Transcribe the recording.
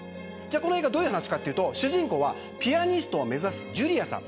この映画、どういう話かというと主人公はピアニストを目指すジュリアさん。